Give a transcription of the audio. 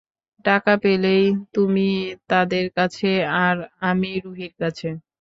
টাকা পেলেই, তুমি তাদের কাছে, আর আমি রুহির কাছে।